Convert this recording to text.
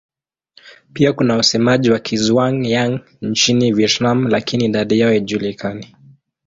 Pia kuna wasemaji wa Kizhuang-Yang nchini Vietnam lakini idadi yao haijulikani.